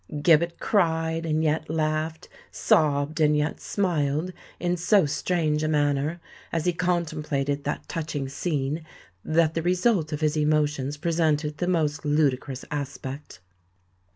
Gibbet cried, and yet laughed—sobbed, and yet smiled, in so strange a manner, as he contemplated that touching scene, that the result of his emotions presented the most ludicrous aspect.